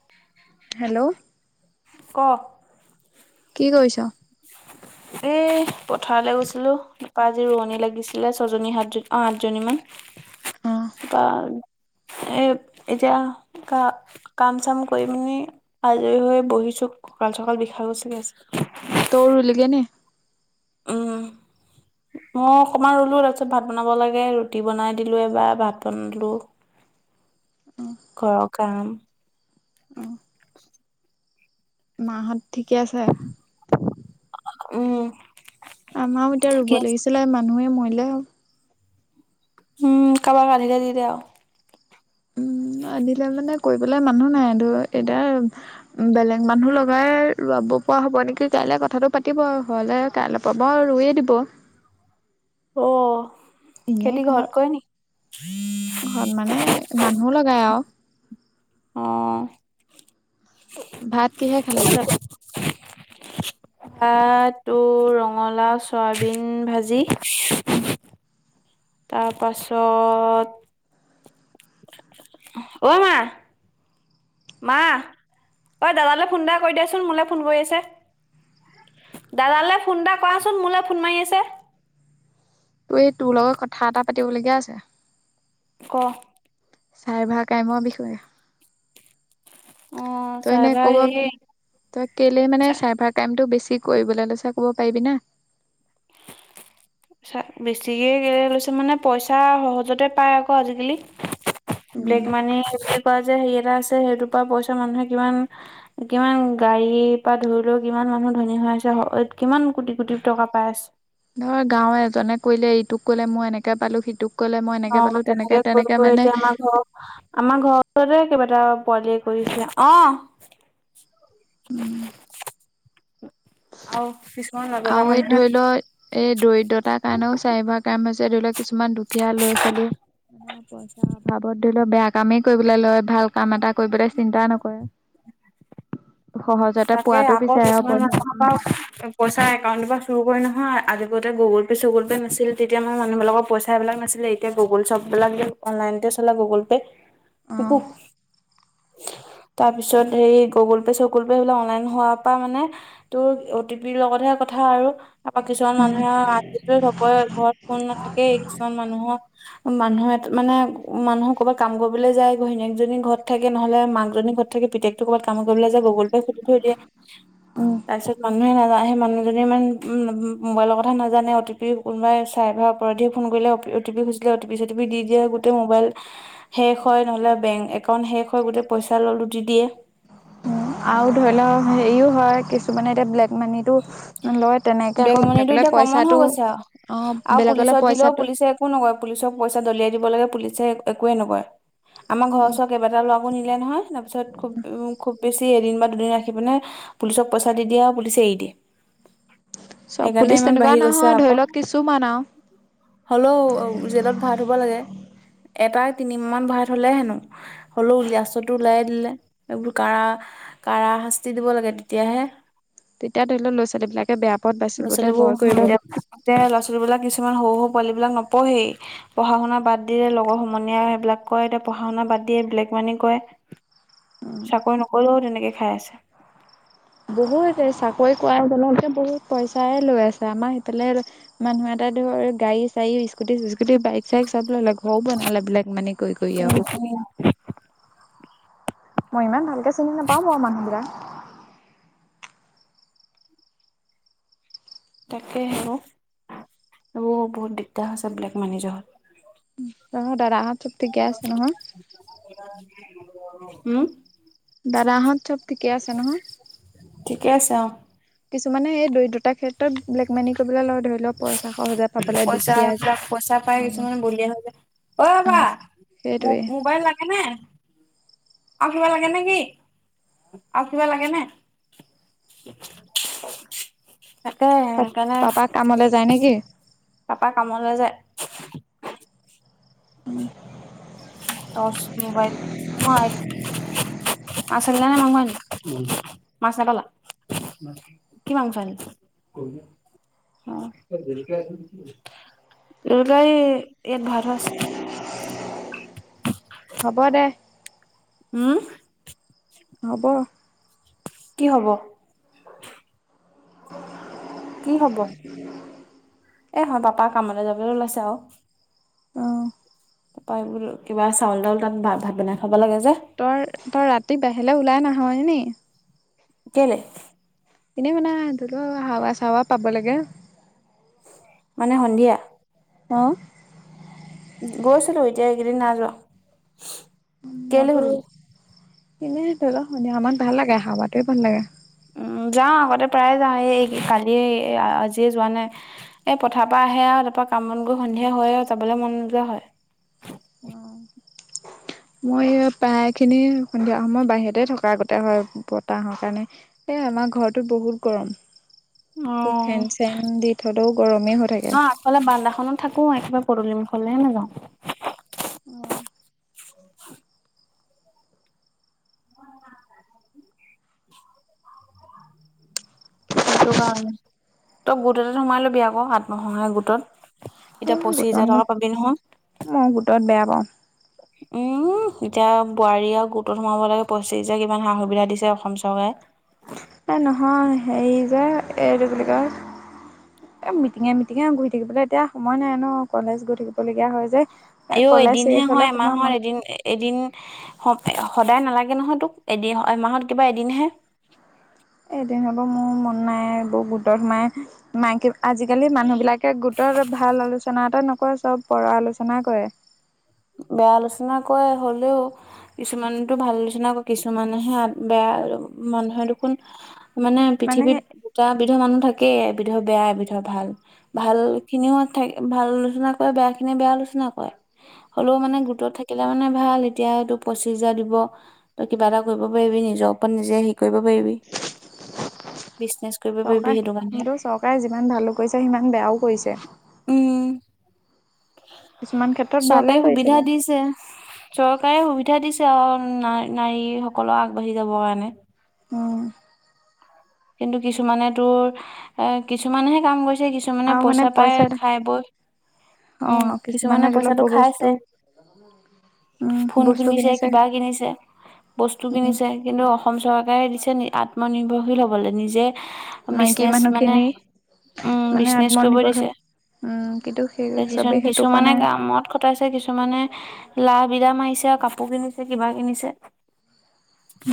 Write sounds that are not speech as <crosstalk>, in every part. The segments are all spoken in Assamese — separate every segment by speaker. Speaker 1: <inaudible>
Speaker 2: হেল্ল'?
Speaker 1: ক?
Speaker 2: কি কৰিছ?
Speaker 1: এ পথাৰলৈ গৈছিলো। তপ আজি ৰোৱনী লাগিছিলে ছয়জনী সাতজন অ, সাতজনী মমান
Speaker 2: অ
Speaker 1: তপা এই এতিয়া কা কাম চাম কৰি পি আজৰি হৈ বহিছো ককাল চকাল বিষা গুচি গ আছে
Speaker 2: তৌৰ ল কেেনেে
Speaker 1: উম
Speaker 2: <inaudible>
Speaker 1: মই অকণমান ৰুলো তাৰপিছত ভাত বনাব লাগে ৰুটি বনাই দিলো এবাৰ ভাত বনালো
Speaker 2: অ
Speaker 1: ঘৰৰ কাম
Speaker 2: মাহঁত ঠিকে আছে
Speaker 1: উম
Speaker 2: আমাৰও এতিয়া ৰুব
Speaker 1: ঠিকে আছে
Speaker 2: লাগিছিলে মানুহে মৰিলে হ
Speaker 1: উম কাৰোবাক গ আঢধিকে দি দে আৰু
Speaker 2: উম আহনিলে মানে কৰিবলৈাই মানুহ নাই এতিয়া উ বেলেগ মানুহ লগাই ৰব পৰা হ'ব নেকি কাইলৈ কথাটো পাতিব আৰু ঘৰলে তাই অলপাবাৰ ৰুৱে দিব
Speaker 1: অ
Speaker 2: এনেই
Speaker 1: খেতি
Speaker 2: ঘৰ
Speaker 1: ঘৰত কৰে নেি
Speaker 2: মানুহো লগাই আৰু
Speaker 1: অঁ
Speaker 2: ভাত কিহে খালে
Speaker 1: তাতো ৰঙালাও চয়াবিন ভাজি
Speaker 2: ত
Speaker 1: তাৰপাছত অ মা মা অঐ দাদালৈ ফোন এটা কৰি দিয়াচোন মোলৈ ফোন কৰি আছে দাদালৈ ফোন এটা কৰাচোন মোলৈ ফোন মাৰি আছে
Speaker 2: তোৰ এই তোৰ লগত কথা এটা পাতিবলগীয়া আছে
Speaker 1: ক
Speaker 2: চাই ভা কামৰ বিষয়ে
Speaker 1: অ
Speaker 2: তই এনে
Speaker 1: চাৰ্ভাৰ
Speaker 2: কব
Speaker 1: হেৰি
Speaker 2: তই কেলেই মানে চাৰ্ভাৰ কাইমটো বেছি কৰিবলৈ লৈছ ক'ব পাৰিবি না
Speaker 1: বেছিকে লৈছে মানে পইচা সহজতে পায় আকৌ আজিকালি ব্লেক
Speaker 2: উম
Speaker 1: মানি যদি কোৱা যে হেৰি এটা আছে সেইটোৰ পৰা পইচা মানুহে কিমান কিমান গাড়ীৰ পৰা ধৰিলেও কিমান মানুহ ধনী হৈ আছে কিমান কোটি কোটি টকা পাই আছে
Speaker 2: ধৰ গাঁৱৰ এজনে কলে ইটোক কলে মই এনেকে পালো সিটোক ক'লে মই এনেকে
Speaker 1: অ
Speaker 2: পালো
Speaker 1: তেনেকে ক
Speaker 2: মানে
Speaker 1: এতিয়া আমাৰ ঘৰ আমাৰ ঘৰ কেইিবাটা পোৱলিয় কৰিছে অ
Speaker 2: উম
Speaker 1: অ
Speaker 2: আৰু এই ধৰি লও এই দৰিদ্ৰতাৰ কাৰণেও চাৰিভাগ কাম আছে ধৰি লওক কিছুমান দুখীয়া ল'ৰা ছোৱালী পইচাৰ অভাৱত ধৰি লওক বেয়া কামেই কৰিবলৈ লয় ভাল কাম এটা কৰিবলে চিন্তা নকৰে <inaudible> সহজতে
Speaker 1: তাকে
Speaker 2: পোৱাতো
Speaker 1: আকৌ
Speaker 2: বিচাৰে আৰু
Speaker 1: কিছুমান ন
Speaker 2: পইচা পাতি
Speaker 1: পইচা একাউণ্টৰ পৰা চুৰ কৰি নহয় আজিতে গুগল পে চুগুল পে' নাছিল তেতিয়া মানে মানুহবিলাকৰ পইচাববিলাক নাছিলে এতিয়া গুগল চ্ববলাক অনলাইনতে চলা গুগল পে'
Speaker 2: অ
Speaker 1: বিু তাৰপিছত স গুগল পে চ েল হ মোৰট তপৰা কিছুমান মানুহে আজ ঘৰত ফোন নাথাকেই কিছুমান মানুহৰ মানুহ এটা মানে মানুহৰ ক'বাত কাম কৰিবলৈ যায় ঘৈণীয়েকজনী ঘৰত থাকে নহলে মাক জনী ঘৰত থ থাক পিতেকতটো ক'বাত কাম কৰিবলৈ যায় গগল ফুুলি থৈ দিয়ে
Speaker 2: উম
Speaker 1: তাৰ পিছত মানুহে নাজানে সেই মানুহজনী ইমান উ মোবাইলৰ কথা নাজানে অটি পি কোনোবাই চাই ভ পৰাধীয়ে ফোন কৰিলে অ িুজিলে অ টি চ ি দি দিয়ে গোট মোবাইল শেষ হয় নহলে বেংক একাউণ্ট শেষ হয় গোটেই পইচা ল উটি দিয়ে
Speaker 2: আৰু ধৰি লওক হেৰিও হয় কিছুমানে এতিয়া ব্লেক মানিত লয় তেনেকে আকৌ
Speaker 1: বেগমনিটো
Speaker 2: বেলেগলৈ
Speaker 1: এতিয়া কমন হৈ
Speaker 2: পইচাটো
Speaker 1: গৈছে আৰু
Speaker 2: অ'
Speaker 1: আৰু
Speaker 2: বেলেগলৈ
Speaker 1: পুলিচত দিলেও
Speaker 2: পইচাটো
Speaker 1: পুলিচে একো নকয় পুলিচক পইচা দলিয়াই দিব লাগে পুলিচে একোৱে নকয়। আমাৰ ঘৰ ওচৰত কেইবাটাও ল'ৰাকো নিলে নহয় তাৰপিছত খুব উ, খুব বেছি এদিন বা দুদিন ৰাখি পিনে পুলিচক পইচা দি দিয়ে আৰু পুলিচে এৰি দিয়ে।
Speaker 2: চব
Speaker 1: সেইকাৰণে
Speaker 2: পুলিচ
Speaker 1: ইমান
Speaker 2: তেনেকুৱা
Speaker 1: বাঢ়ি গৈছে
Speaker 2: নহয় ধৰি
Speaker 1: আকৌ।
Speaker 2: লওক কিছুমান আৰু
Speaker 1: হ'লেও জেলত ভৰাই থ'ব লাগে। এটাই তিনিমান ভৰাই থ'লে হেনো। হ'লেও লাস্তততো উলায়ে দিলে। এইবোৰ কাঢ়া কাঢ়া শাস্তি দিব লাগে তেতিয়াহে
Speaker 2: তেতিয়া ধৰি ল'ৰা ছোৱালীবিলাক বেয়া। পথ বাচিবলৈ
Speaker 1: ল'ৰাোৱালীবোৰ,
Speaker 2: ভয় কৰিব।
Speaker 1: ল'ৰা ছোৱালীবিলাক কিছুমান সৰু সৰু পোৱালীবিলাক নপঢ়েই। পঢ়া শুনা বাদ দিয়ে লগৰ সমনীয়া সেইবিলাক কৰে, এতিয়া পঢ়া শুনা বাদ দিয়ে ব্লেক মানি কৰে। চাকৰি নকলেও তেনেকে খাই আছে।
Speaker 2: বহুত এ, চাকৰি কৰাই তেওঁলে বহুত পইচাই লৈ আছে। আমাৰ সেইফালে মানুহ এটা ধৰ গাড়ী চাৰি স্কুটি চিস্কোটি, বাইক চাইক চব ললে। ঘৰ বনালে ব্লেক মানি কৰি কৰি
Speaker 1: উম
Speaker 2: আৰু।
Speaker 1: উম।
Speaker 2: মই ইমান ভালকে চিনি নাপাওঁ মোৰ মানুহবিলাক।
Speaker 1: তাকেহে। এইবোৰ বহুত দিগদাৰ হৈছে ব্লেক মানি য
Speaker 2: ত' দাদাহঁত চব ঠিকে আছে নহয়?
Speaker 1: হুম?
Speaker 2: দাদাহঁত চব ঠিকে আছে নহয়?
Speaker 1: ঠিকে আছে অ'।
Speaker 2: কিছুমানে এই দৰিদ্ৰতাৰ ক্ষেত্ৰত ব্লেক মানি কৰিবলৈ লয়। ধৰি লওক পইচা সহজে পাবলৈ
Speaker 1: পইচা
Speaker 2: দুখীয়া
Speaker 1: পইচা পাই কিছুমান বলিয় হৈ যায়। অ' বা
Speaker 2: সেইটোৱে।
Speaker 1: ম-মোবাইল লাগেনে? আৰু কিবা লাগে নেকি? আৰু কিবা লাগে নে? তাকে সেইকাৰণে
Speaker 2: পাপা কামলৈ যায় নেকি?
Speaker 1: পাপা কামলৈ যায়।
Speaker 2: উম।
Speaker 1: Torch mobile. অ' আছালে নহয় নি, মাছ নাপালা? কি মাংস আনিলা? অ' বেটাৰী ইয়াত ভৰাই থোৱা আছে।
Speaker 2: হ'ব দে।
Speaker 1: হুম?
Speaker 2: হ'ব।
Speaker 1: কি হ'ব? কি হ'ব? এ, হ'ব পাপা কামলৈ যাবলৈ ওলাইছে আৰু।
Speaker 2: অ'।
Speaker 1: পাপাই বুলো কিবা চাউল তাউল তাত ভাত বনাই খাব লাগে যে।
Speaker 2: তই তই ৰাতি বাহিৰলৈ ওলাই নাহয়নি?
Speaker 1: কেলে?
Speaker 2: এনেই মানে ধৰি ল' হাৱা চাৱা পাব লাগে।
Speaker 1: মানে সন্ধিয়া?
Speaker 2: অ'।
Speaker 1: গৈছিলোঁ। এতিয়া এইকেইদিন নাই যোৱা। কেলে
Speaker 2: মইতো
Speaker 1: সুধিলি?
Speaker 2: এনে ধৰি লও সন্ধিয়ামান ভাল লাগে, ভাল লাগে।
Speaker 1: উম, যাওঁ আগতে প্ৰায়ে যাওঁ, এই কালিয় আজিয়ে যোৱা নাই। এ, পথাৰপা আহে আৰু তাৰপৰা কাম বন কৰি সন্ধিয়া হয় আৰু যাবলৈ মন নোযোৱা হয়।
Speaker 2: উম। মই প্ৰায় খিনি সন্ধিয়া সময় বাহিৰতে থকা আগোতে হয় বতাহৰ কাৰণে এ আমাৰ ঘৰটোত বহুত গৰম
Speaker 1: অ',
Speaker 2: ফেন চেন দি থলেও গৰমেই হৈ থাকে
Speaker 1: অ'লে বান্দাখনত থাকো একেবাৰে পদুলি মখললেহে নাযাওঁ
Speaker 2: অ
Speaker 1: হয় সেইটো কাৰণে তই গোট এটাত সোমাই লবি আকৌ আাত আত্ম সহায়ক গোটত এতিয়া পঁচিশ
Speaker 2: গোটত
Speaker 1: হোজাৰ টকা পাবি নহয়
Speaker 2: মই গোটত বেয়া <inaudible>
Speaker 1: এতিয়া বোৱাৰী আৰু গোটত সোমাব লাগে পঁচিছ হাজাৰ কিমান সা সুবিধা দিছে অসম চৰকাৰে
Speaker 2: এই নহয় হেৰি যে এইটো বুলি কয় মিটিঙে মিটিঙে ঘুৰি থাকিবলৈ এতিয়া সময় নাই ন কলেজ গৈ থাকিবলগীয়া হয় যে এ
Speaker 1: আও
Speaker 2: কলেজ
Speaker 1: এদিনহে
Speaker 2: শেষ হ'লে
Speaker 1: হয়
Speaker 2: সোমাম
Speaker 1: এমাহৰ
Speaker 2: আৰু
Speaker 1: এদিন এদিন সদায় নালাগে নহয় তোক এদিন এমাহত কিবা এদিনহে
Speaker 2: এদিন হতো মোৰ মন নাই ব গোটত সোমাই মাইক আজিকালি মানুহবিলাক গোটৰ ভাল আলোচনা এটা নকৰে চব পৰ আলোচনাাই কৰে
Speaker 1: বেয়া আলোচনা কৰে হলেও কিছুমানতো ভাল নিচিনা আকৌ কিছুমানেহে বেয়া মানুহে দেখোন মানে পৃথিৱীত দুটা বিধৰ মানুহ থাকেই এবিধৰ বেয়া এবিধ ভাল ভাল খিনিও থাকে ভাল আলোচনা কৰে বেয়া খিনিয়ে বেয়া আলোচনা কৰে হ'লেও মানে গোটত থাকিলে মানে ভাল এতিয়াটো পঁচিছ হাজাৰ দিব তই কিবা এটা কৰিব পাৰিবি নিজৰ ওপৰত নিজে হেৰি কৰিব পাৰিবি বিজনেচ কৰিব পাৰিবি সেইটো কাৰণে
Speaker 2: চৰকাৰেতো চৰকাৰে যিমান ভালো কৰিছে সিমান বেয়াও কৰিছে
Speaker 1: উম
Speaker 2: কিছুমান ক্ষেত্ৰত ভাল
Speaker 1: তাই সুবিধা দিছে চৰকাৰে সুবিধা দিছে আৰু ন নাৰীসকলক আগবাঢ়ি যাবৰ কাৰণে
Speaker 2: উম
Speaker 1: কিন্তু কিছুমানে তোৰ এ কিছুমানেহে কাম কৰিছে কিছুমানে
Speaker 2: আৰু
Speaker 1: কিছুমানে
Speaker 2: মানে
Speaker 1: পইচা পায় খাই বৈ
Speaker 2: অ
Speaker 1: উম, কিছুমানে
Speaker 2: ধৰি লওক
Speaker 1: পইচাটো
Speaker 2: বস্তু
Speaker 1: খাইছে
Speaker 2: উম
Speaker 1: ফোন
Speaker 2: বস্তু
Speaker 1: কিনিছে কিবা কিনিছে, বস্তু
Speaker 2: উম
Speaker 1: কিনিছে কিন্তু অসম চৰকাৰে দিছে নি-আত্মনিৰ্ভৰশীল হ'বলে নিজে
Speaker 2: মাইকী
Speaker 1: বিচনেচ মানে
Speaker 2: মানুহখিনি
Speaker 1: উম
Speaker 2: মানে
Speaker 1: বিচনেচ কৰিব
Speaker 2: আত্মনিৰ্ভৰ
Speaker 1: দিছে,
Speaker 2: হয় উম কিন্তু সেই
Speaker 1: এতিয়া
Speaker 2: চবেই সেইটো কোৱা
Speaker 1: কিছুমান-কিছুমানে
Speaker 2: নাই
Speaker 1: কামত খত তাইছে কিছুমানে, লা-বিদা মাইছে আক কাপোৰ কিনিছে কিবা কিনিছে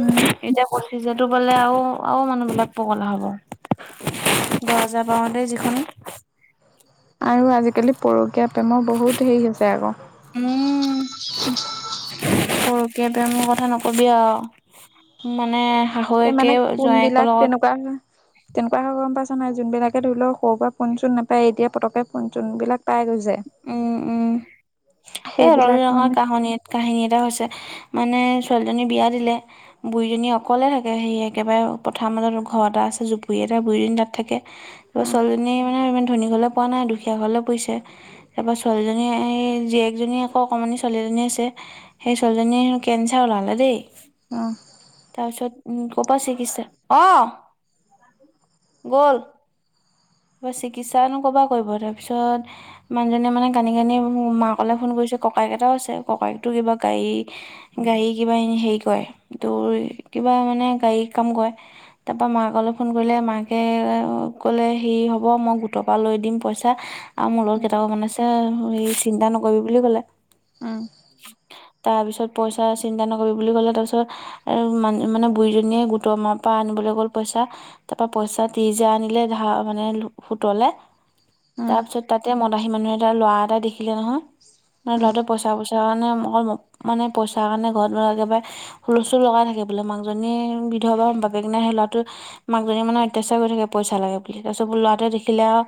Speaker 2: উম
Speaker 1: এতিয়া পচিশ জাৰটো পালে আও, আও মানুহবোৰ বাপ পগলা হ'ব, দহ হজাৰ পাওঁতে যিখন
Speaker 2: আৰু আজিকালি পৰকীয়া প্ৰেমৰ বহুত হেৰি হৈছে আকৌ
Speaker 1: উম পৰকীয়া প্ৰেমৰ কথা নকবিয়ে আও, মানেহ শাহুৱেকে জোৱায়েকৰ লগত
Speaker 2: কোৱা না তেনেকুৱা হয়গৈ গম পাইছ নাই যোনবিলাকে ধৰি লও সৰুৰ পৰা ফোন চোন নাপায় এতিয়া পতককে ফোন-চোন বিলাক পাই গৈছ
Speaker 1: উম-উম, এ ৰ'ল
Speaker 2: সেইবিলাক
Speaker 1: ল্যঙত
Speaker 2: মানে
Speaker 1: কাহনী, কাহিনী এটা হৈছে মানে ছোৱালীজনী বিয়া দিলে বুৰীজনী অকলে থাকে সেই একেবাৰে পথাৰ মাজত ঘৰ এটা আছে জুপুৰি এটা বুৰীজনী তাত থাকে
Speaker 2: উম
Speaker 1: পা-ছোৱালীজনীয়ে মানে ইমান ধনী ঘৰলৈ পোৱা নাই দুখীয়া ঘৰলৈ পৰিছে তাৰপৰা ছোৱালীজনী হেই জীয়েকজনী আকৌ অকমানি ছোৱালীজনী আছে সেই ছোৱালীজনীৰ কেঞ্চাৰ ওলালে দেই
Speaker 2: উম
Speaker 1: তাৰছত উম কৌ'পা চিকিৎসা অহ গ'ল, পা চিকিৎসানো কৰপা কৰিব তাৰপিছত মানুহজনীয়ে মানে কানি-কানি মোৰ মাকলে ফোন কৰিছে ককাইক এটাও আছে ককাইকতো কিবা গা'ই গাড়ী কিবা এনে হেৰি কৰে তোৰ কিবা মানে গাড়ী কাম কৰে তা'প্পা মাকলৈ ফোন কৰিলে মাকে ক'লে আও ক'লে হেই হ'ব ম গোটৰপা লৈ দিম পইচা আও মোৰ লগৰ কেটাওমন আছে হ-হেৰি চিন্তা নকৰিবি বুলি ক'লে
Speaker 2: উম
Speaker 1: তাৰ পিছত পইচা চিন্তা নকৰিবি বুলি ক'লে তাৰছত আৰু মান-মানে বুৰীজনীয়ে গোটৰমাপা আনিবলৈ গ'ল পইচা তাপা পইচা তিৰিশজা আনিলে ধাৰ মানে লুহ, সুতলে
Speaker 2: উম
Speaker 1: তাৰ পিছত তাতে মদাহী মানুহ এটাৰ ল'ৰা এটা দেখিলে নহয়, নাই
Speaker 2: উম
Speaker 1: ল'ৰাটোৱে পইচা বস্ তেৱানে মই মপ, মানে পইচাৰ কাৰণে ঘৰত কিবা লাগিব পাৰে হুলস্থুল লগাই থাকে বোলে মাকজনীয়ে আৰু বিধবা বাপেক নাই সে-ল'ৰাটো মাকজনী মানে অত্যাচাৰ কৰি থাকে পইচা লাগে বুলি তাৰছত বোল-ল'ৰাটোৱে দেখিলে আও,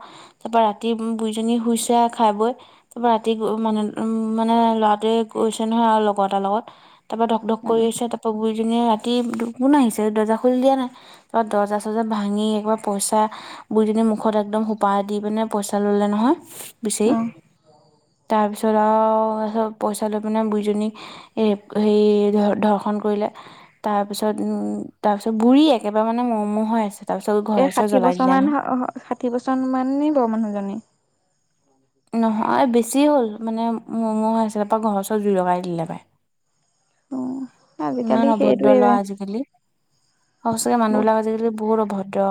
Speaker 1: তাপা ৰাতি <unintelligible> বুৰীজনী শুইছে আ খাই-বৈ তাৰপা ৰাতি গৌ মনেন উম মানে ল'ৰাটোৱে কৈছে নহয় আৰু লগৰ এটাৰ লগত তাৰপা ধক্-ধক্
Speaker 2: উম
Speaker 1: কৰিছে তাপ পৌগুৰীজনীয়ে ৰাতি দু-কোন আহিছে দৰ্জা খুলি দিয়া নাই, তত দৰ্জা-চৰ্জা ভাঙি একবাপ পইচা বুইজনীয়ে মুখত একদম সোপা দি পিনে পইচা লে নহয়, বিচেয়ি
Speaker 2: উম।
Speaker 1: তাৰপিছত আও তাৰছত পইচা লৈ পিনে বুইজনীক ৰেপ, হেই ধৰ-ধৰ্ষণ কৰিলে তাৰ পিছত উম, তাৰপিছত বুৰী একেবাৰে মানে মও-মও হৈ আছেত
Speaker 2: এই ষাঠি বছৰ মান হ-হ ষাঠি বছন মান্নিব মানুহজনী
Speaker 1: নহয় বেছি হ'ল মানে মৌও-মৌও হৈ আছিলে পা ঘৰ-চৰ জুই লগাই দিলে পাই
Speaker 2: উম
Speaker 1: ইমান
Speaker 2: আজিকালি
Speaker 1: অভদ্ৰ ল'ৱা
Speaker 2: সেইটোৱে
Speaker 1: আজিকালি, সঁচাকে মানুহ বিলাক আজিকালি বহুত অভদ্ৰ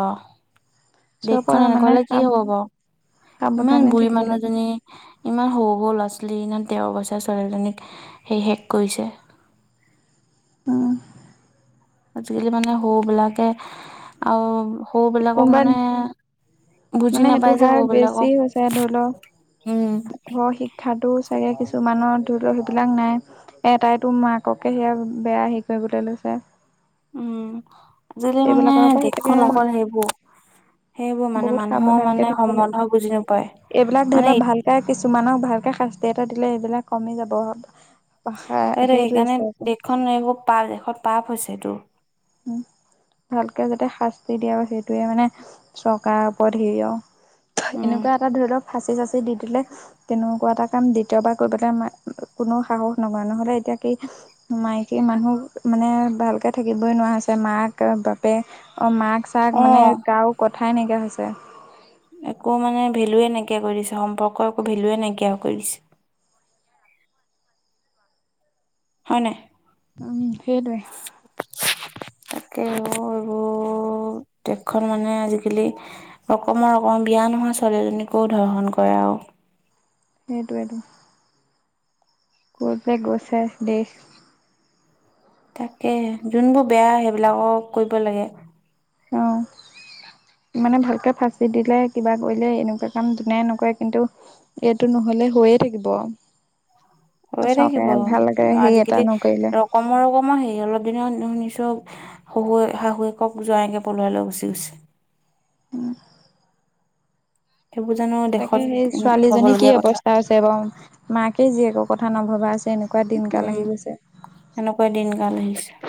Speaker 2: চব
Speaker 1: দেশখন এনেকুৱা
Speaker 2: মানে
Speaker 1: হলে কি
Speaker 2: সাৱ
Speaker 1: হব বাও, ইমান
Speaker 2: সাৱধানে
Speaker 1: বুৰী
Speaker 2: থাকিব লাগে
Speaker 1: মানুহজনী ইমান সৰু-সৰু ল'ৰা-ছোৱালী দিনা খন তেৰ বছৰ ছোৱালীজনীক, সেই শেষ কৰিছে
Speaker 2: উম
Speaker 1: আজিকালি মানে সৰু বিলাকে আৰু সৰু বিলাকক
Speaker 2: কোনোবা
Speaker 1: মানে বুজি
Speaker 2: মানে সেইটো
Speaker 1: নাপায় যে
Speaker 2: হাৰ বেছি
Speaker 1: সৰুবিলাকক
Speaker 2: হৈছে ধৰি লও
Speaker 1: উম।
Speaker 2: ঘৰৰ শিক্ষা ক্ষাতু চাগে কিছুমানৰ ধৰিলেই বিলাক নাই। এটাইতোৰ মাককে সেয়া বেয়া হে কৰিবলৈ লৈছে।
Speaker 1: উম আজিকালি মানে
Speaker 2: এইবিলাকৰ পৰা সঁচাকে
Speaker 1: দেশখন অকল সেইবোৰ। সেইবোৰ মানে
Speaker 2: বহুত
Speaker 1: মানুহৰ
Speaker 2: সাৱধানকে
Speaker 1: মানে
Speaker 2: থাকিব লাগিব
Speaker 1: সম্বন্ধ বুজি নোপায়
Speaker 2: এইবিলাক ধৰি লওক
Speaker 1: মানে
Speaker 2: ভালকে কিছুমানক ভালকে শাস্তি এটা দিলে এইবিলাক কমি যাব। ভাষা সেইটোৱে চ
Speaker 1: এখন এইবোৰ পাপ এখন পাপ হৈছে এইটো।
Speaker 2: উম ভালকে যাতে শাস্তি দিয়ে আৰু সেইটোয়ে মানে চৰকাৰৰ ওপৰত হেৰিও
Speaker 1: উম।
Speaker 2: এনেকুৱা এটা ধৰি লওক ফাঁচি চাচি দি দিলে তেনেকুৱা এটা কাম দ্বিতীয়বাৰ কৰিবলৈ আমাৰ কোনো সাহস নকৰে নহলে এতিয়া কি মাইকী মানুহ মানে ভালকে থাকিব বই নোৱাৰা হৈছে মাক বাপে অঁ মাক চাক মানে
Speaker 1: অ',
Speaker 2: কাৰো কথাই নাইকিয়া হৈছে
Speaker 1: একো মানে ভেলুৱয়ে নাইকিয়া কৰি দিছে সম্পৰ্কৰ একো ভেলুয়ে নাইকিয়া কৰি দিছে। হয় নাই?
Speaker 2: উম সেইদৰে।
Speaker 1: তাকে এইবোৰ দেশখন মানে আজিকালি ৰকমৰ ৰকমৰ বিয়া নোহোৱা ছোৱালীজনীকোও ধৰ্শন কৰে আৰু
Speaker 2: সেইটোৱেটো <unintelligible> পাই গৈছে দেশ
Speaker 1: তাকে যোনবোৰ বেয়া সেইবিলাকক কৰিব লাগে।
Speaker 2: অঁ। মানে ভালকৈ ফাঁচি দিলে কিবা কৰিলে এনেকুৱা কাম যোনাই নকৰে কিন্তু এইটো নহলে হৈয়ে থাকিব।
Speaker 1: হৈয়ে
Speaker 2: চৰকাৰে ভালকে সেই এটা নকৰিলে।
Speaker 1: কমৰ কমৰ হেৰি অলপ দিনা নিছো। শুৱে শাহুৱেকক <unintelligible> পলুৱাই লৈ গচি গৈছে।
Speaker 2: উম।
Speaker 1: সেইবোৰজানো
Speaker 2: তাকে সেই ছোৱালীজনী কি অৱস্থা আছে বাৰ মাকে যিয়েকৰ কথা নভবা আছে এনেকুৱা দিনকাল
Speaker 1: উম
Speaker 2: আহি গৈছে।
Speaker 1: সেনেকুৱা দিন কাল আহিছে।